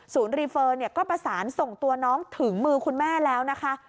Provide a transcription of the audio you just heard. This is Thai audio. รีเฟอร์ก็ประสานส่งตัวน้องถึงมือคุณแม่แล้วนะคะ